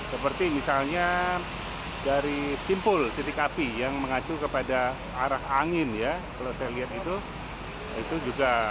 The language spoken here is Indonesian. seperti misalnya dari simpul titik api yang mengacu kepada arah angin ya kalau saya lihat itu itu juga